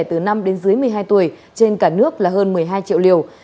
từ năm đến dưới một mươi hai tuổi trên cả nước là hơn một mươi hai triệu liều